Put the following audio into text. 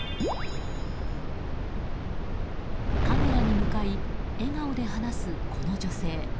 カメラに向かい、笑顔で話すこの女性。